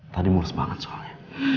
tadi murus banget soalnya